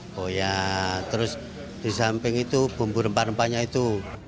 koyat terus di samping itu bumbu rempah rempahnya itu